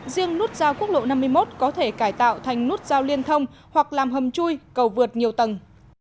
riêng nút giao quốc lộ năm mươi một có thể cải tạo thành nút giao liên thông hoặc làm hầm chui cầu vượt nhiều tầng